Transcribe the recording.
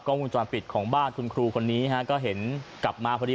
กล้องกุญชวันปิดของบ้านคุณครูคนนี้ฮะก็เห็นกลับมาพอดี